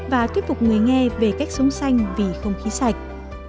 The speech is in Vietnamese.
và thuyết phục người nghe về cách sống xanh vì không khí sạch